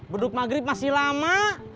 buduk maghrib masih lama